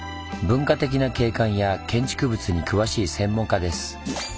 文化的な景観や建築物に詳しい専門家です。